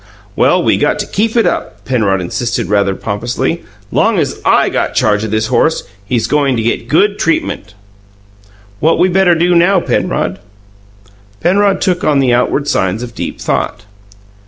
"Well, we got to keep it up," Penrod insisted rather pompously. "Long as I got charge o' this horse, he's goin' to get good treatment." "What we better do now, Penrod?" Penrod took on the outward signs of deep thought.